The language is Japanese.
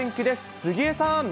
杉江さん。